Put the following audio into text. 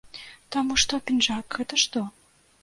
Таму што пінжак гэта што?